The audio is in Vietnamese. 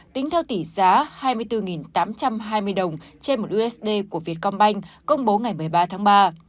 tính theo tỷ giá hai mươi bốn tám trăm hai mươi đồng trên một usd của vietcombank công bố ngày một mươi ba tháng ba